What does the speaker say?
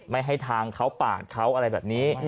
ไม่ให้ทางเขาปาดเขาอะไรแบบนี้